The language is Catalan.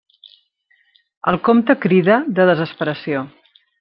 El comte crida de desesperació.